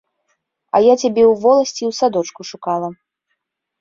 А я цябе ў воласці і ў садочку шукала.